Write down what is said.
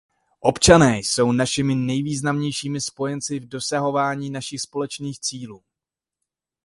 Občané jsou našimi nejvýznamnějšími spojenci v dosahování našich společných cílů.